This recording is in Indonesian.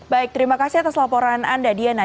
baik terima kasih atas laporan anda diana